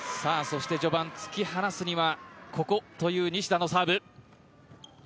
序盤、突き放すにはここという西田のサーブ。